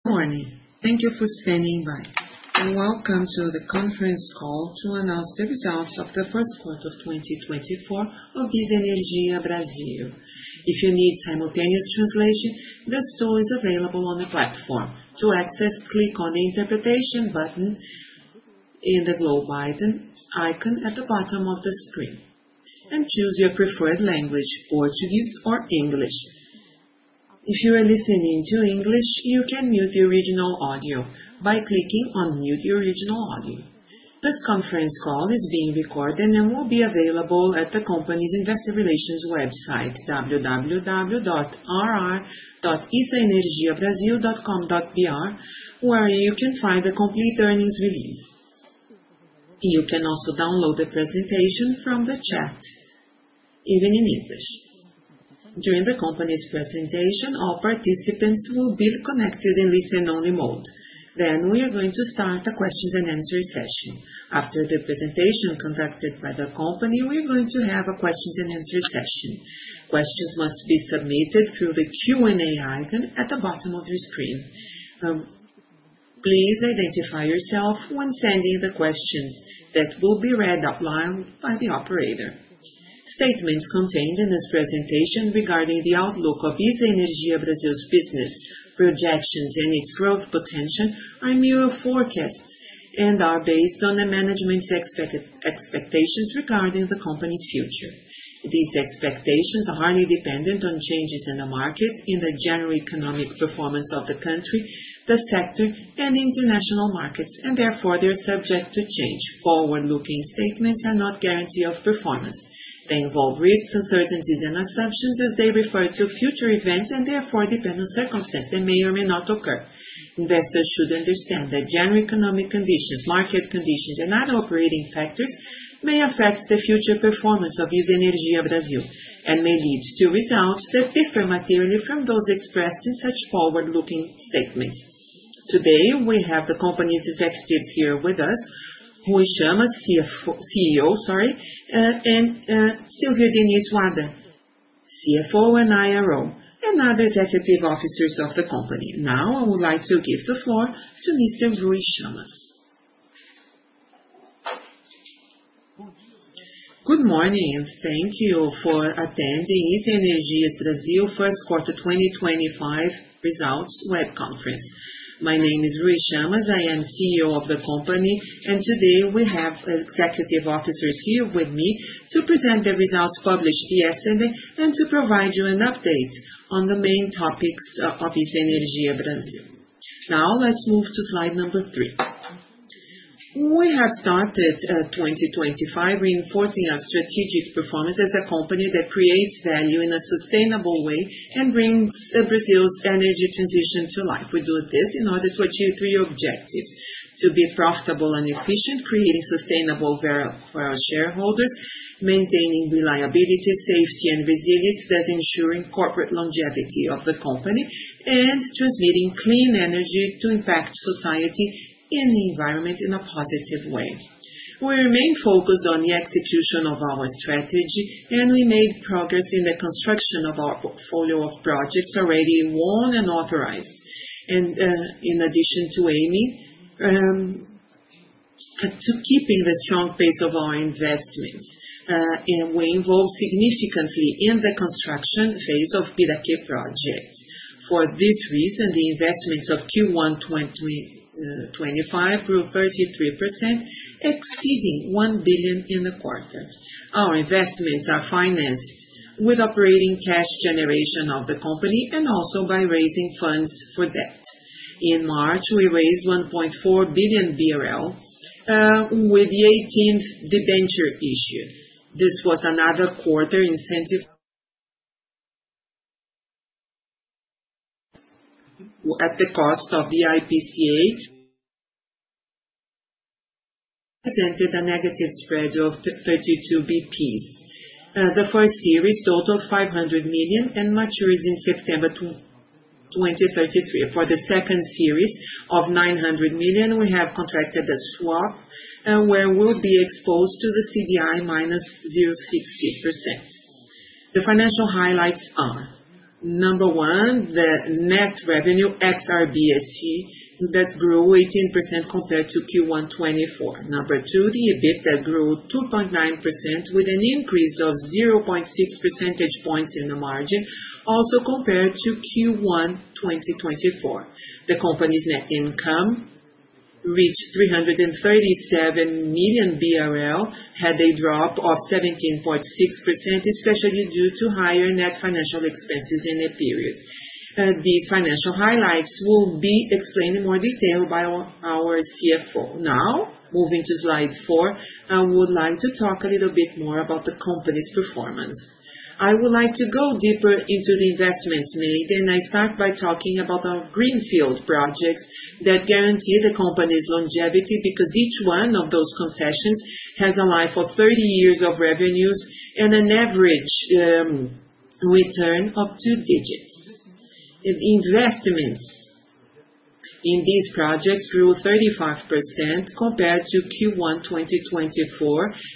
Good morning. Thank you for standing by, and welcome to the conference call to announce the results of the Q1 of 2024 of ISA ENERGIA BRASIL. If you need simultaneous translation, the tool is available on the platform. To access, click on the interpretation button in the globe icon at the bottom of the screen and choose your preferred language: Portuguese or English. If you are listening to English, you can mute the original audio by clicking on mute the original audio. This conference call is being recorded and will be available at the company's investor relations website, www.ri.isaenergiabrasil.com.br, where you can find the complete earnings release. You can also download the presentation from the chat, even in English. During the company's presentation, all participants will be connected in listen-only mode. We are going to start a question-and-answer session. After the presentation conducted by the company, we are going to have a questions-and-answers session. Questions must be submitted through the Q&A icon at the bottom of your screen. Please identify yourself when sending the questions that will be read out loud by the operator. Statements contained in this presentation regarding the outlook of ISA ENERGIA BRASIL's business projections and its growth potential are mere forecasts and are based on the management's expectations regarding the company's future. These expectations are highly dependent on changes in the market, in the general economic performance of the country, the sector, and international markets, and therefore they are subject to change. Forward-looking statements are not a guarantee of performance. They involve risks, uncertainties, and assumptions as they refer to future events and therefore depend on circumstances that may or may not occur. Investors should understand that general economic conditions, market conditions, and other operating factors may affect the future performance of ISA ENERGIA BRASIL and may lead to results that differ materially from those expressed in such forward-looking statements. Today, we have the company's executives here with us, Rui Chammas, CEO, and Silvia Diniz Wada, CFO and IRO, and other executive officers of the company. Now, I would like to give the floor to Mr. Rui Chammas. Good morning. Thank you for attending ISA ENERGIA BRASIL Q1 2025 results web conference. My name is Rui Chammas. I am CEO of the company, and today we have executive officers here with me to present the results published yesterday and to provide you an update on the main topics of ISA ENERGIA BRASIL. Now, let's move to slide number three. We have started 2025 reinforcing our strategic performance as a company that creates value in a sustainable way and brings Brazil's energy transition to life. We do this in order to achieve three objectives: to be profitable and efficient, creating sustainable shareholders, maintaining reliability, safety, and resilience, thus ensuring corporate longevity of the company, and transmitting clean energy to impact society and the environment in a positive way. We remain focused on the execution of our strategy, and we made progress in the construction of our portfolio of projects already won and authorized, in addition to keeping the strong pace of our investments. We involved significantly in the construction phase of Piraquê project. For this reason, the investment of Q1 2025 grew 33%, exceeding 1 billion in the quarter. Our investments are financed with operating cash generation of the company and also by raising funds for debt. In March, we raised 1.4 billion BRL with the 18th debenture issued. This was another quarter incentivized at the cost of the IPCA presented a negative spread of 32 basis points. The first series totaled 500 million and matures in September 2033. For the second series of 900 million, we have contracted a swap where we'll be exposed to the CDI minus 0.60%. The financial highlights are: number one, the net revenue, ex-RBSE, that grew 18% compared to Q1 2024; number two, the EBITDA grew 2.9% with an increase of 0.6 percentage points in the margin, also compared to Q1 2024. The company's net income reached 337 million BRL, had a drop of 17.6%, especially due to higher net financial expenses in the period. These financial highlights will be explained in more detail by our CFO. Now, moving to slide four, I would like to talk a little bit more about the company's performance. I would like to go deeper into the investments made, and I start by talking about our greenfield projects that guarantee the company's longevity because each one of those concessions has a life of 30 years of revenues and an average return of two digits. Investments in these projects grew 35% compared to Q1 2024,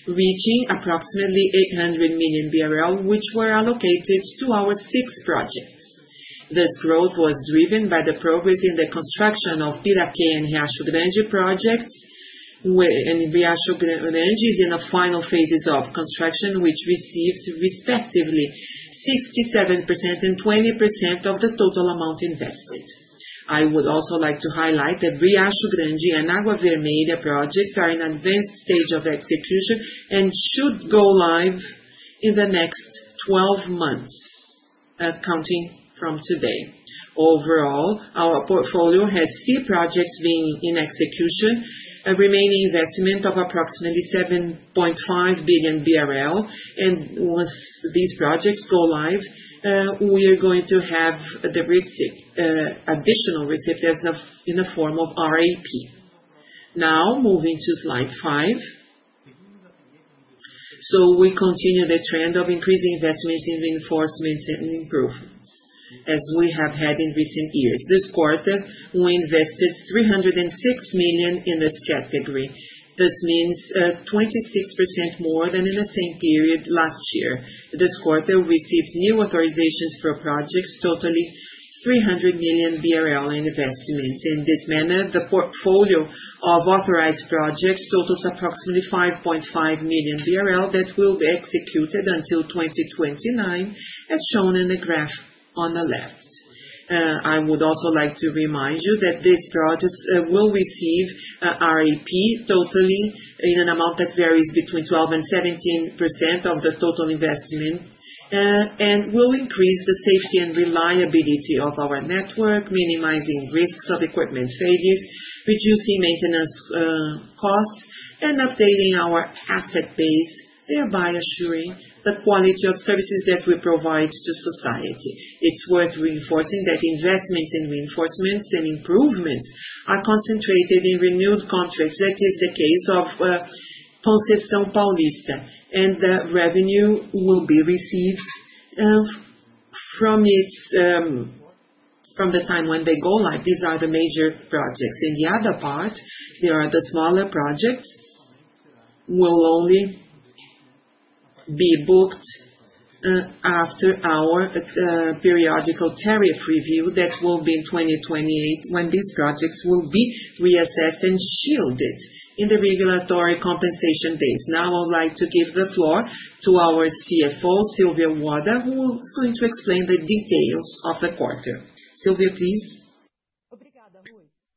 reaching approximately 800 million BRL, which were allocated to our six projects. This growth was driven by the progress in the construction of Piraquê and Riacho Grande projects, and Riacho Grande is in the final phases of construction, which received respectively 67% and 20% of the total amount invested. I would also like to highlight that Riacho Grande and Água Vermelha projects are in advanced stage of execution and should go live in the next 12 months counting from today. Overall, our portfolio has three projects being in execution, a remaining investment of approximately 7.5 billion BRL, and once these projects go live, we are going to have the additional receipt in the form of RAP. Now, moving to slide five. We continue the trend of increasing investments in reinforcements and improvements as we have had in recent years. This quarter, we invested 306 million in this category. This means 26% more than in the same period last year. This quarter, we received new authorizations for projects, totaling 300 million BRL investments. In this manner, the portfolio of authorized projects totals approximately 5.5 billion BRL that will be executed until 2029, as shown in the graph on the left. I would also like to remind you that these projects will receive RAP totaling an amount that varies between 12% and 17% of the total investment and will increase the safety and reliability of our network, minimizing risks of equipment failures, reducing maintenance costs, and updating our asset base, thereby assuring the quality of services that we provide to society. It's worth reinforcing that investments in reinforcements and improvements are concentrated in renewed contracts. That is the case of Concessão Paulista, and the revenue will be received from the time when they go live. These are the major projects. In the other part, there are the smaller projects that will only be booked after our periodical tariff review that will be in 2028 when these projects will be reassessed and shielded in the regulatory compensation base. Now, I would like to give the floor to our CFO, Silvia Wada, who is going to explain the details of the quarter. Silvia, please.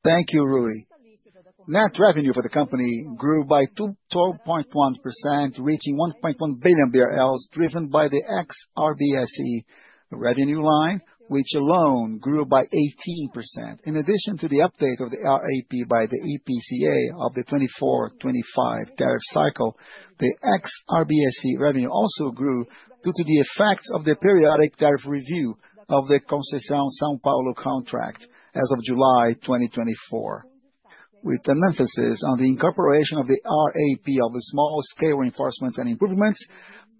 Thank you, Rui. Net revenue for the company grew by 12.1%, reaching 1.1 billion BRL, driven by the ex-RBSE revenue line, which alone grew by 18%. In addition to the update of the RAP by the IPCA of the 2024, 2025 tariff cycle, the ex-RBSE revenue also grew due to the effects of the periodic tariff review of the Concessão São Paulo contract as of July 2024, with an emphasis on the incorporation of the RAP of the small-scale reinforcements and improvements,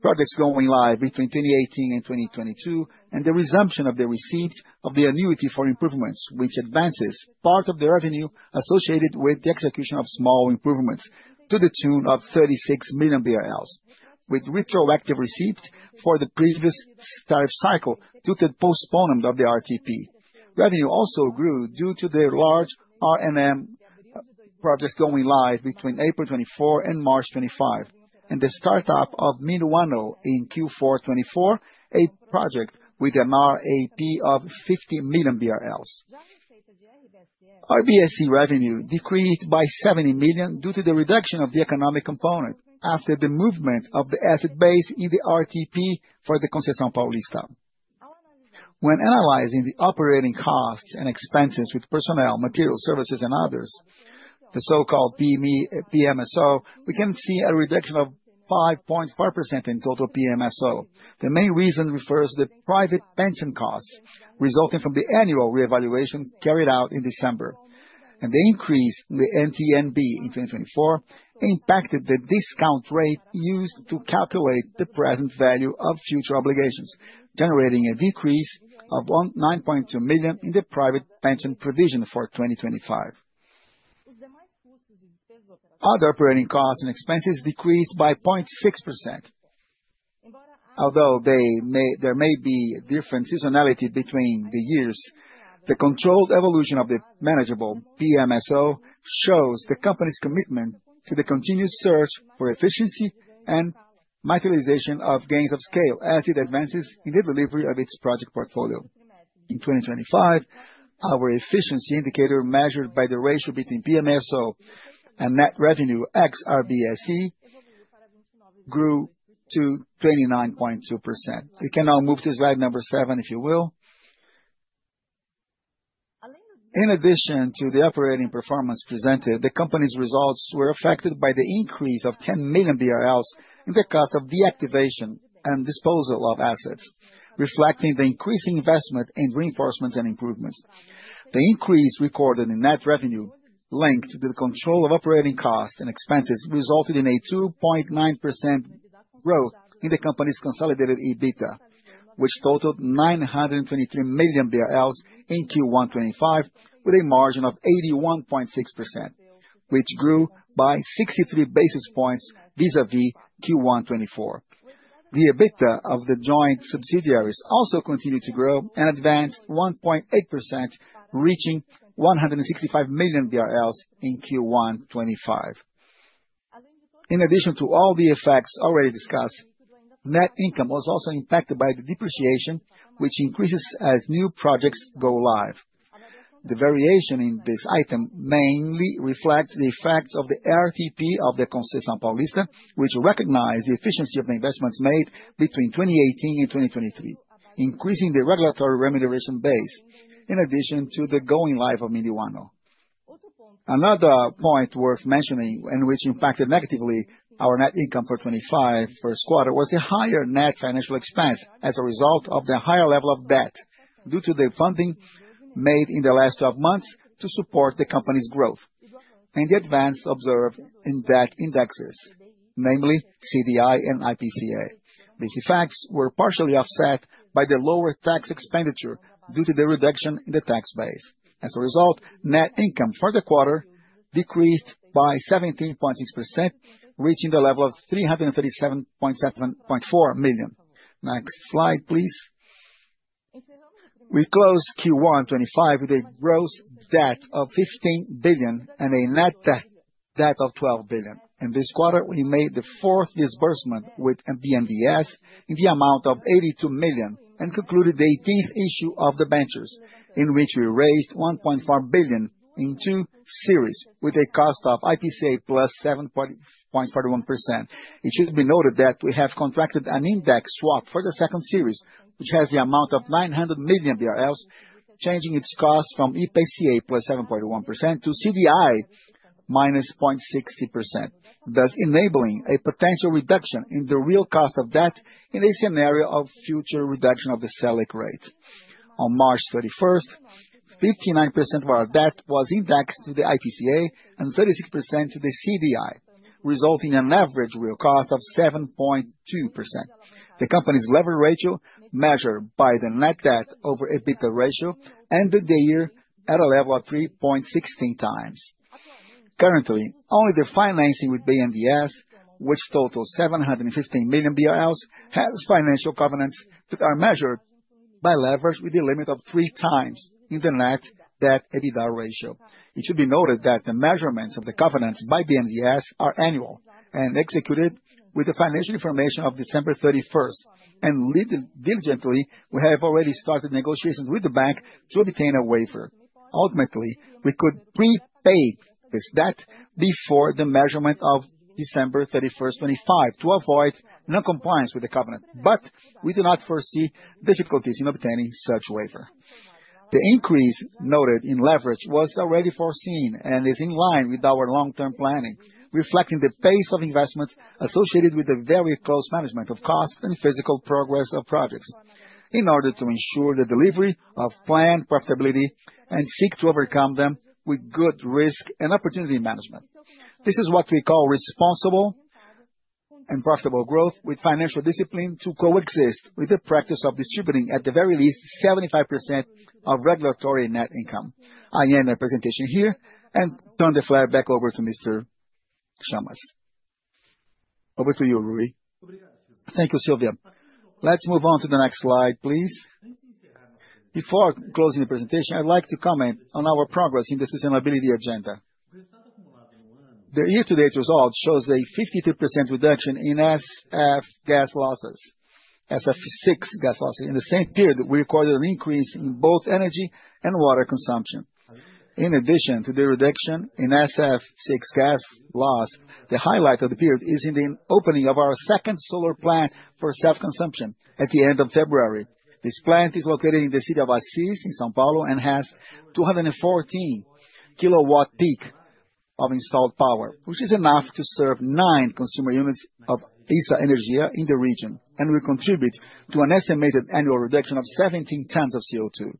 projects going live between 2018 and 2022, and the resumption of the receipt of the annuity for improvements, which advances part of the revenue associated with the execution of small improvements to the tune of 36 million BRL, with retroactive receipt for the previous tariff cycle due to the postponement of the RTP. Revenue also grew due to the large R&M projects going live between April 2024 and March 2025, and the start-up of Minuano in Q4 2024, a project with an RAP of 50 million BRL. RBSE revenue decreased by 70 million due to the reduction of the economic component after the movement of the asset base in the RTP for the Concessão Paulista. When analyzing the operating costs and expenses with personnel, materials, services, and others, the so-called PMSO, we can see a reduction of 5.5% in total PMSO. The main reason refers to the private pension costs resulting from the annual reevaluation carried out in December, and the increase in the NTN-B in 2024 impacted the discount rate used to calculate the present value of future obligations, generating a decrease of 9.2 million in the private pension provision for 2025. Other operating costs and expenses decreased by 0.6%. Although there may be different seasonality between the years, the controlled evolution of the manageable PMSO shows the company's commitment to the continuous search for efficiency and materialization of gains of scale as it advances in the delivery of its project portfolio. In 2025, our efficiency indicator measured by the ratio between PMSO and net revenue, ex-RBSE, grew to 29.2%. We can now move to slide number seven, if you will. In addition to the operating performance presented, the company's results were affected by the increase of 10 million BRL in the cost of deactivation and disposal of assets, reflecting the increasing investment in reinforcements and improvements. The increase recorded in net revenue linked to the control of operating costs and expenses resulted in a 2.9% growth in the company's consolidated EBITDA, which totalled 923 million BRL in Q1 2025, with a margin of 81.6%, which grew by 63 basis points vis-à-vis Q1 2024. The EBITDA of the joint subsidiaries also continued to grow and advanced 1.8%, reaching 165 million BRL in Q1 2025. In addition to all the effects already discussed, net income was also impacted by the depreciation, which increases as new projects go live. The variation in this item mainly reflects the effects of the RTP of the Concessão Paulista, which recognized the efficiency of the investments made between 2018 and 2023, increasing the regulatory remuneration base, in addition to the going live of Minuano. Another point worth mentioning and which impacted negatively our net income for 2025 Q1 was the higher net financial expense as a result of the higher level of debt due to the funding made in the last 12 months to support the company's growth and the advance observed in debt indexes, namely CDI and IPCA. These effects were partially offset by the lower tax expenditure due to the reduction in the tax base. As a result, net income for the quarter decreased by 17.6%, reaching the level of 337.74 million. Next slide, please. We closed Q1 2025 with a gross debt of 15 billion and a net debt of 12 billion. In this quarter, we made the fourth disbursement with BNDES in the amount of 82 million and concluded the 18th issue of debentures, in which we raised 1.4 billion in two series with a cost of IPCA plus 7.41%. It should be noted that we have contracted an index swap for the second series, which has the amount of 900 million BRL, changing its cost from IPCA plus 7.1% to CDI minus 0.60%, thus enabling a potential reduction in the real cost of debt in a scenario of future reduction of the SELIC rate. On 31 March, 59% of our debt was indexed to the IPCA and 36% to the CDI, resulting in an average real cost of 7.2%. The company's leverage ratio measured by the net debt over EBITDA ratio ended the year at a level of 3.16 times. Currently, only the financing with BNDES, which totals 715 million BRL, has financial covenants that are measured by leverage with a limit of three times in the net debt EBITDA ratio. It should be noted that the measurements of the covenants by BNDES are annual and executed with the financial information of December 31st, and diligently, we have already started negotiations with the bank to obtain a waiver. Ultimately, we could prepay this debt before the measurement of December 31st 2025, to avoid non-compliance with the covenant, but we do not foresee difficulties in obtaining such waiver. The increase noted in leverage was already foreseen and is in line with our long-term planning, reflecting the pace of investments associated with the very close management of costs and physical progress of projects, in order to ensure the delivery of planned profitability and seek to overcome them with good risk and opportunity management. This is what we call responsible and profitable growth with financial discipline to coexist with the practice of distributing at the very least 75% of regulatory net income. I end the presentation here and turn the floor back over to Mr. Chammas. Over to you, Rui. Thank you, Silvia. Let's move on to the next slide, please. Before closing the presentation, I'd like to comment on our progress in the sustainability agenda. The year-to-date result shows a 52% reduction in SF6 gas losses. In the same period, we recorded an increase in both energy and water consumption. In addition to the reduction in SF6 gas loss, the highlight of the period is in the opening of our second solar plant for self-consumption at the end of February. This plant is located in the city of Assis, in São Paulo, and has 214 kW-peak of installed power, which is enough to serve nine consumer units ISA ENERGIA BRASIL in the region, and will contribute to an estimated annual reduction of 17 tons of CO2.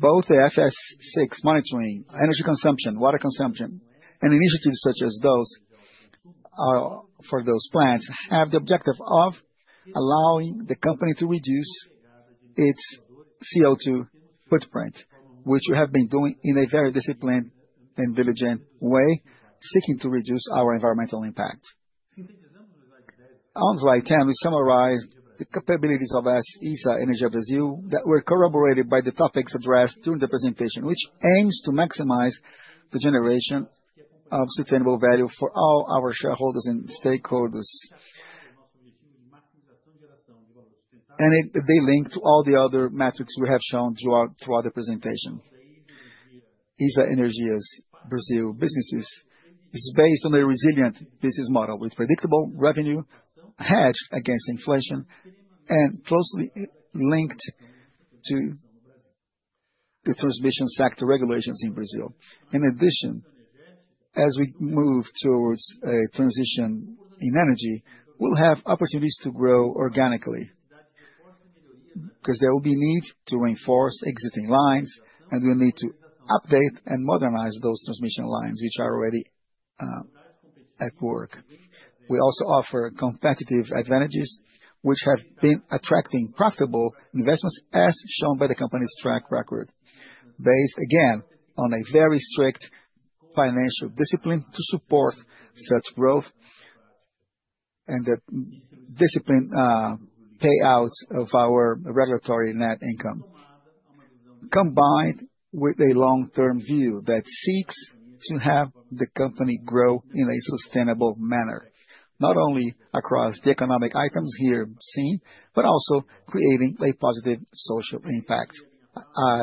Both the SF6 monitoring, energy consumption, water consumption, and initiatives such as those for those plants have the objective of allowing the company to reduce its CO2 footprint, which we have been doing in a very disciplined and diligent way, seeking to reduce our environmental impact. On slide 10, we summarized the capabilities of ISA ENERGIA BRASIL that were corroborated by the topics addressed during the presentation, which aims to maximize the generation of sustainable value for all our shareholders and stakeholders, and they link to all the other metrics we have shown throughout the presentation. ISA ENERGIA BRASIL's business is based on a resilient business model with predictable revenue hedged against inflation and closely linked to the transmission sector regulations in Brazil. In addition, as we move towards a transition in energy, we'll have opportunities to grow organically because there will be a need to reinforce existing lines, and we'll need to update and modernize those transmission lines, which are already at work. We also offer competitive advantages, which have been attracting profitable investments, as shown by the company's track record, based again on a very strict financial discipline to support such growth and the disciplined payout of our regulatory net income, combined with a long-term view that seeks to have the company grow in a sustainable manner, not only across the economic items here seen, but also creating a positive social impact.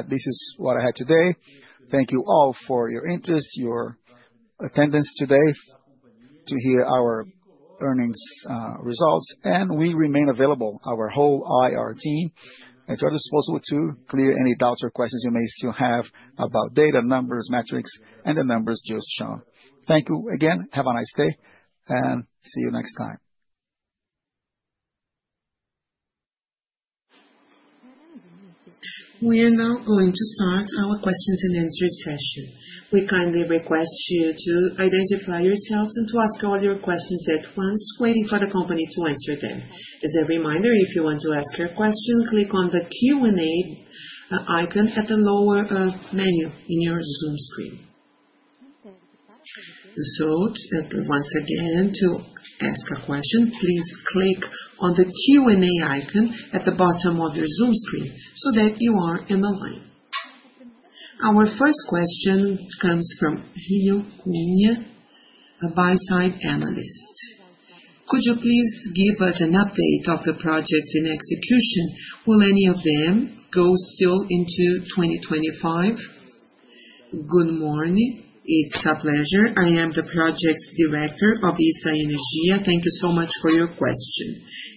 This is what I had today. Thank you all for your interest, your attendance today to hear our earnings results, and we remain available, our whole IR team, at your disposal to clear any doubts or questions you may still have about data, numbers, metrics, and the numbers just shown. Thank you again. Have a nice day and see you next time. We are now going to start our questions and answers session. We kindly request you to identify yourselves and to ask all your questions at once, waiting for the company to answer them. As a reminder, if you want to ask your question, click on the Q&A icon at the lower menu in your Zoom screen. To ask a question, please click on the Q&A icon at the bottom of your Zoom screen so that you are in the line. Our first question comes from Ruy Cunha, a buy-side analyst. Could you please give us an update of the projects in execution? Will any of them go still into 2025? Good morning. It's a pleasure. I am the project's director ISA ENERGIA BRASIL. thank you so much for your question.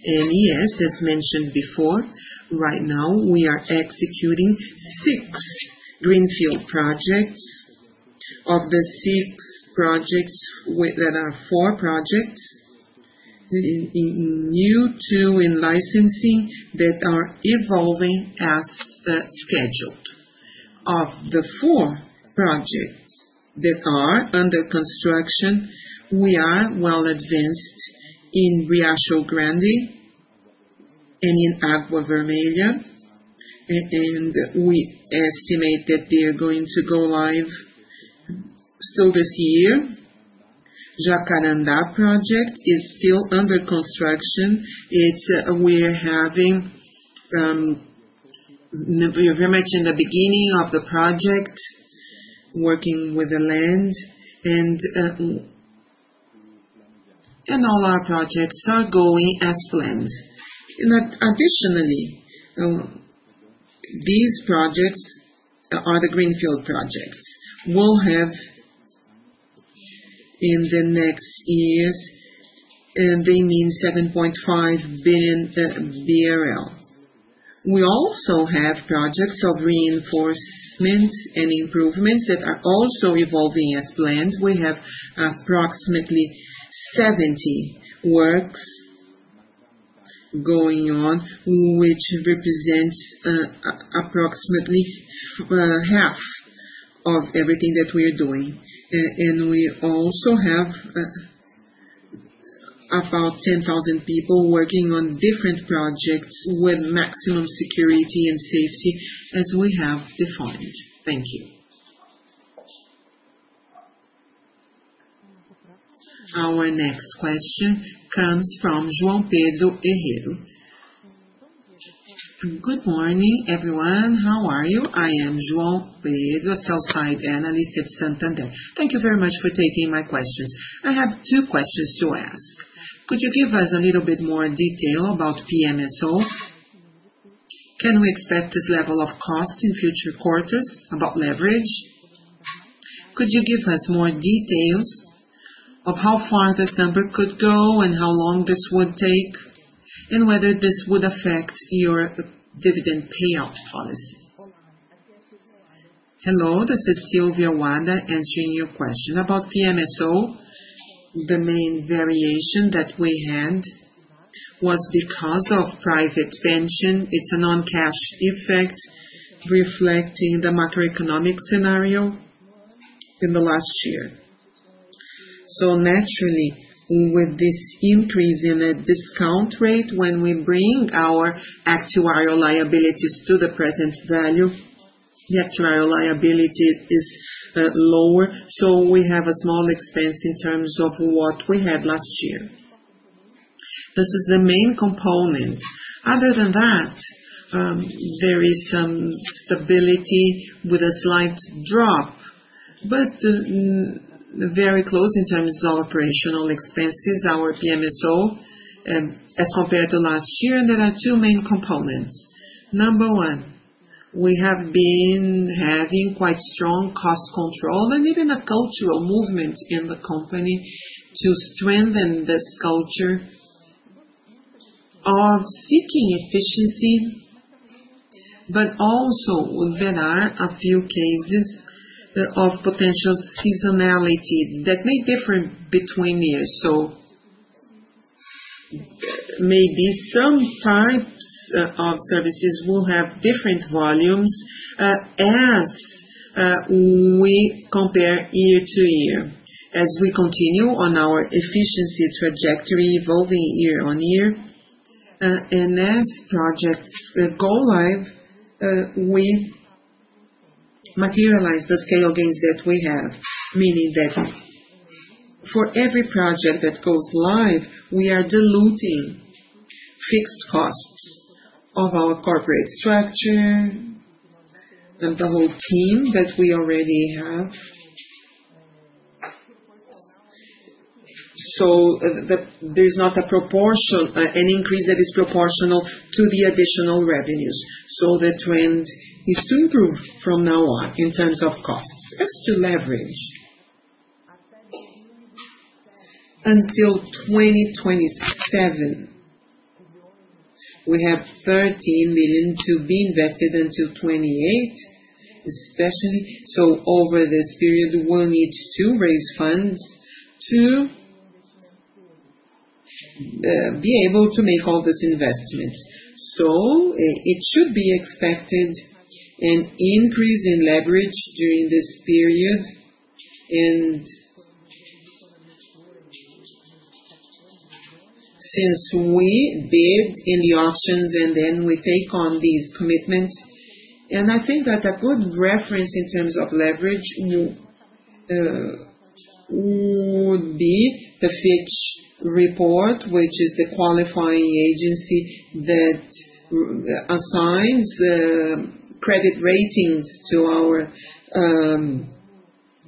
Yes, as mentioned before, right now we are executing six greenfield projects. Of the six projects, there are four projects new to in licensing that are evolving as scheduled. Of the four projects that are under construction, we are well advanced in Riacho Grande and in Água Vermelha, and we estimate that they are going to go live still this year. Jacarandá project is still under construction. We're having very much in the beginning of the project, working with the land, and all our projects are going as planned. Additionally, these projects are the greenfield projects. We'll have in the next years, and they mean 7.5 billion BRL. We also have projects of reinforcements and improvements that are also evolving as planned. We have approximately 70 works going on, which represents approximately half of everything that we are doing. We also have about 10,000 people working on different projects with maximum security and safety as we have defined. Thank you. Our next question comes from João Pedro Herrero. Good morning, everyone. How are you? I am João Pedro, a sell-side analyst at Santander. Thank you very much for taking my questions. I have two questions to ask. Could you give us a little bit more detail about PMSO? Can we expect this level of cost in future quarters about leverage? Could you give us more details of how far this number could go and how long this would take, and whether this would affect your dividend payout policy? Hello, this is Silvia Wada answering your question about PMSO. The main variation that we had was because of private pension. It's a non-cash effect reflecting the macroeconomic scenario in the last year. Naturally, with this increase in a discount rate, when we bring our actuarial liabilities to the present value, the actuarial liability is lower, so we have a small expense in terms of what we had last year. This is the main component. Other than that, there is some stability with a slight drop, but very close in terms of operational expenses, our PMSO, as compared to last year. There are two main components. Number one, we have been having quite strong cost control and even a cultural movement in the company to strengthen this culture of seeking efficiency, but also there are a few cases of potential seasonality that may differ between years. Maybe some types of services will have different volumes as we compare year-to-year, as we continue on our efficiency trajectory evolving year-on-year, and as projects go live, we materialize the scale gains that we have, meaning that for every project that goes live, we are diluting fixed costs of our corporate structure and the whole team that we already have. There is not an increase that is proportional to the additional revenues. The trend is to improve from now on in terms of costs as to leverage. Until 2027, we have 13 million to be invested until 2028, especially. Over this period, we will need to raise funds to be able to make all this investment. It should be expected an increase in leverage during this period since we bid in the auctions and then we take on these commitments. I think that a good reference in terms of leverage would be the Fitch report, which is the qualifying agency that assigns credit ratings to our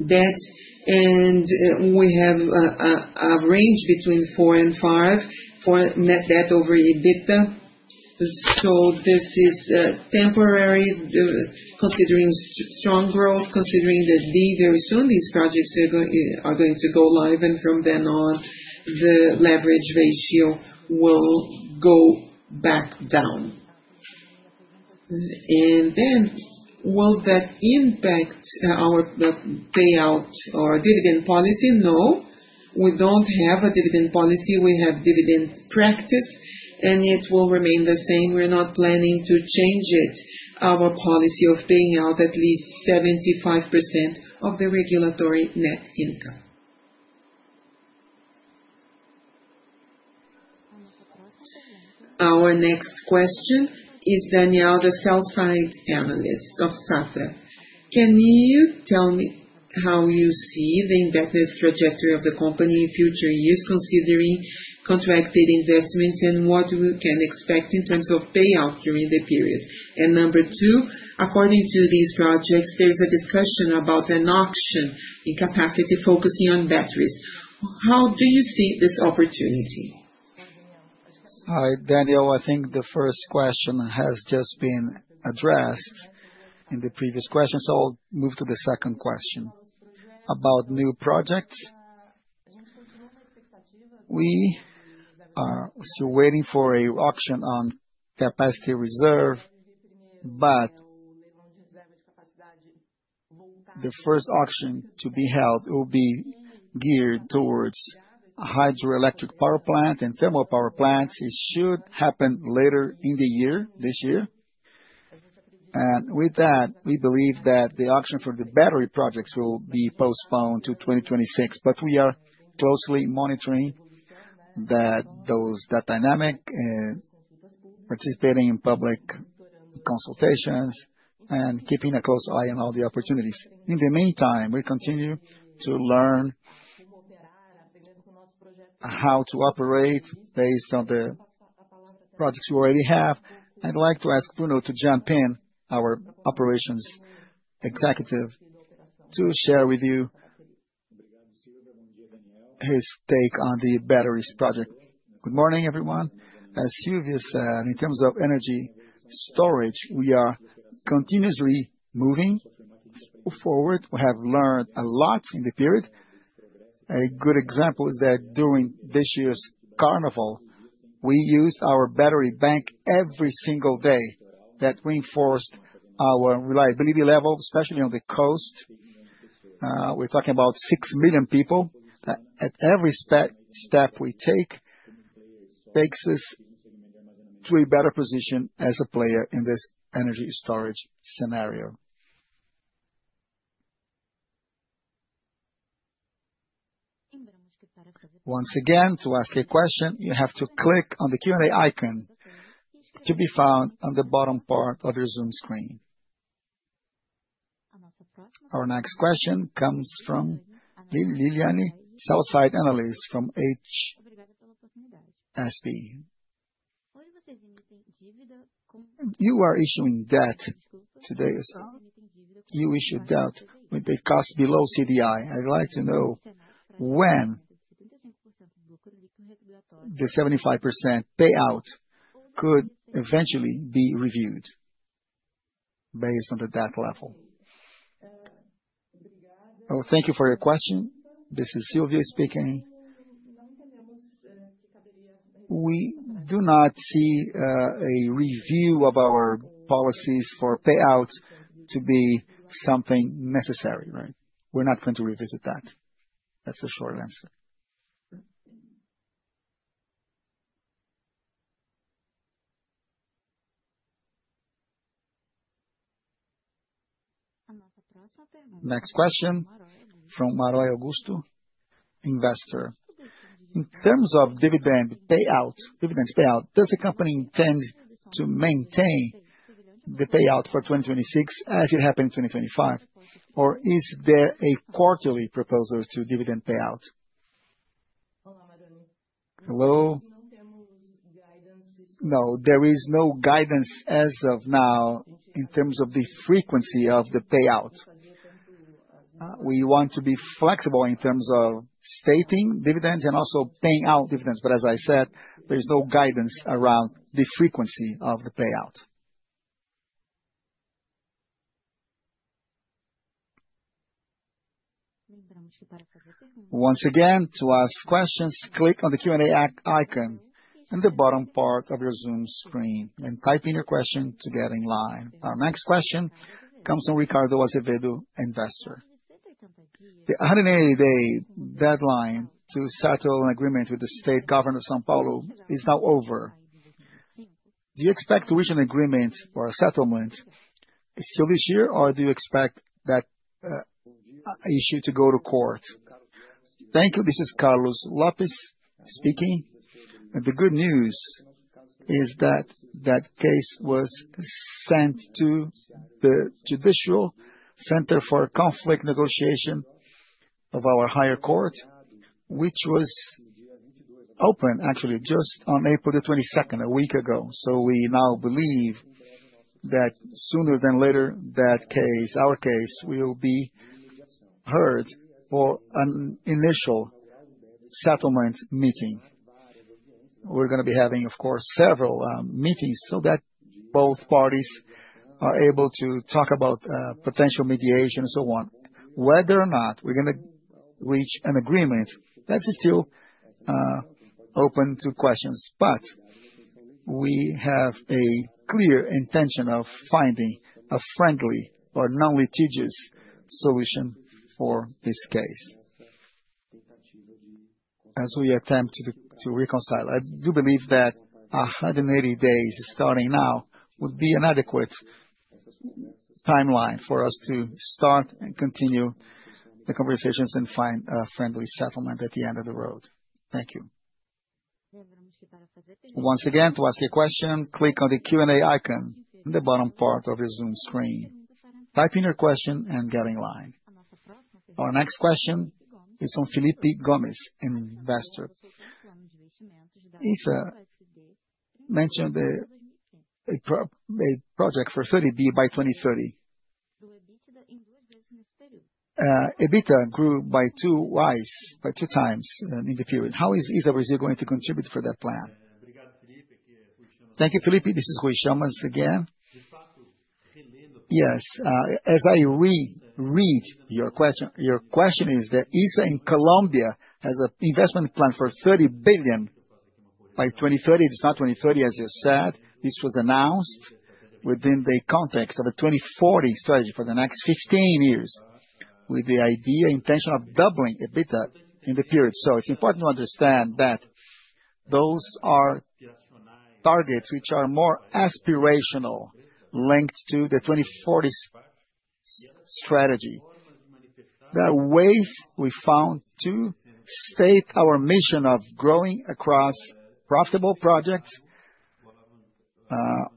debt, and we have a range between four and five for net debt over EBITDA. This is temporary, considering strong growth, considering that very soon these projects are going to go live, and from then on, the leverage ratio will go back down. Will that impact our payout or dividend policy? No. We do not have a dividend policy. We have dividend practice, and it will remain the same. We are not planning to change our policy of paying out at least 75% of the regulatory net income. Our next question is Daniel, the sell-side analyst of Safra. Can you tell me how you see the investment trajectory of the company in future years, considering contracted investments and what we can expect in terms of payout during the period? Number two, according to these projects, there's a discussion about an auction in capacity focusing on batteries. How do you see this opportunity? Hi, Daniel. I think the first question has just been addressed in the previous questions, so I'll move to the second question about new projects. We are still waiting for an auction on capacity reserve, but the first auction to be held will be geared towards hydroelectric power plants and thermal power plants. It should happen later in the year, this year. With that, we believe that the auction for the battery projects will be postponed to 2026, but we are closely monitoring that dynamic and participating in public consultations and keeping a close eye on all the opportunities. In the meantime, we continue to learn how to operate based on the projects we already have. I'd like to ask Bruno to jump in, our Operations Executive, to share with you his take on the batteries project. Good morning, everyone. As Silvia said, in terms of energy storage, we are continuously moving forward. We have learned a lot in the period. A good example is that during this year's carnival, we used our battery bank every single day. That reinforced our reliability level, especially on the coast. We're talking about 6 million people. At every step we take, it takes us to a better position as a player in this energy storage scenario. Once again, to ask a question, you have to click on the Q&A icon to be found on the bottom part of your Zoom screen. Our next question comes from Lilyanna, sell-side analyst from HSBC. You are issuing debt today. You issued debt with a cost below CDI. I'd like to know when the 75% payout could eventually be reviewed based on the debt level? Thank you for your question. This is Silvia speaking. We do not see a review of our policies for payout to be something necessary. We're not going to revisit that. That's the short answer. Next question from Mauro Augusto, Investor. In terms of dividend payout, does the company intend to maintain the payout for 2026 as it happened in 2025, or is there a quarterly proposal to dividend payout? Hello? No, there is no guidance as of now in terms of the frequency of the payout. We want to be flexible in terms of stating dividends and also paying out dividends, but as I said, there is no guidance around the frequency of the payout. Once again, to ask questions, click on the Q&A icon in the bottom part of your Zoom screen and type in your question to get in line. Our next question comes from Ricardo Azevedo, Investor. The 180-day deadline to settle an agreement with the state government of São Paulo is now over. Do you expect to reach an agreement or a settlement still this year, or do you expect that issue to go to court? Thank you. This is Carlos Lopes speaking. The good news is that that case was sent to the Judicial Center for Conflict Negotiation of our higher court, which was open actually just on 22nd April, a week ago. We now believe that sooner than later, our case will be heard for an initial settlement meeting. We're going to be having, of course, several meetings so that both parties are able to talk about potential mediation and so on. Whether or not we're going to reach an agreement, that's still open to questions, but we have a clear intention of finding a friendly or non-litigious solution for this case as we attempt to reconcile. I do believe that 180 days starting now would be an adequate timeline for us to start and continue the conversations and find a friendly settlement at the end of the road. Thank you. Once again, to ask a question, click on the Q&A icon in the bottom part of your Zoom screen. Type in your question and get in line. Our next question is from Felipe Gomez, Investor. ISA mentioned a project for 30 billion by 2030. EBITDA grew by 2x `in the period. How ISA ENERGIA BRASIL going to contribute for that plan? Thank you, Felipe. This is Rui Chammas again. Yes, as I read your question, your question is that ISA in Colombia has an investment plan for 30 billion by 2030. It's not 2030, as you said. This was announced within the context of a 2040 strategy for the next 15 years, with the idea and intention of doubling EBITDA in the period. It is important to understand that those are targets which are more aspirational linked to the 2040 strategy. There are ways we found to state our mission of growing across profitable projects,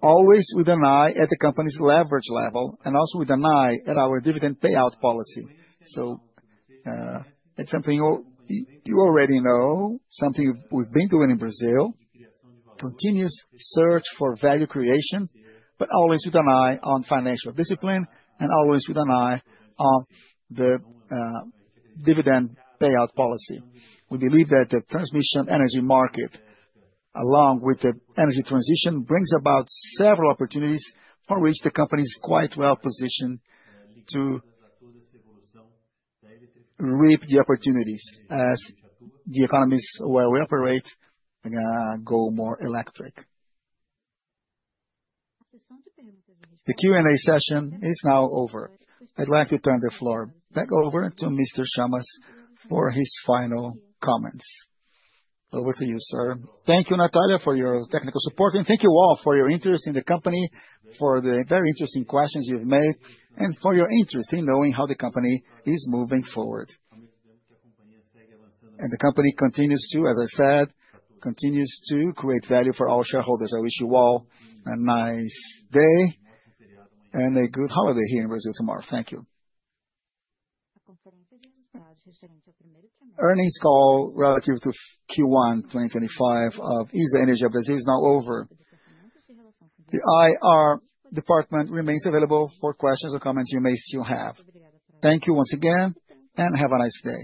always with an eye at the company's leverage level and also with an eye at our dividend payout policy. It is something you already know, something we have been doing in Brazil, continuous search for value creation, but always with an eye on financial discipline and always with an eye on the dividend payout policy. We believe that the transmission energy market, along with the energy transition, brings about several opportunities for which the company is quite well positioned to reap the opportunities as the economies where we operate go more electric. The Q&A session is now over. I would like to turn the floor back over to Mr. Chammas for his final comments. Over to you, sir. Thank you, Natalia, for your technical support, and thank you all for your interest in the company, for the very interesting questions you've made, and for your interest in knowing how the company is moving forward. The company continues to, as I said, continues to create value for all shareholders. I wish you all a nice day and a good holiday here in Brazil tomorrow. Thank you. Earnings call relative to Q1 2025 of ISA ENERGIA BRASIL is now over. The IR department remains available for questions or comments you may still have. Thank you once again, and have a nice day.